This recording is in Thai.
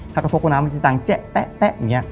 ถ้ากระทบกับน้ำมันจะดังแจ๊ะแป๊ะแป๊ะอย่างนี้